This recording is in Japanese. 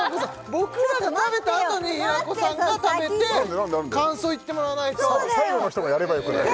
僕らが食べたあとに平子さんが食べて感想言ってもらわないと最後の人がやればよくない？